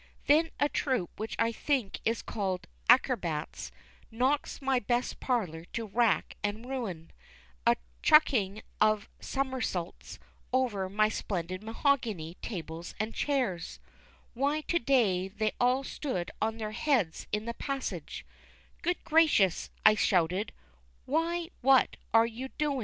Then a troop which I think is called ackribacks, knocks my best parlour to rack and to ruin, A chucking of summersets over my splendid meeogany tables and chairs; Why to day they all stood on their heads in the passage: "Good gracious," I shouted, "why what are you doin'?"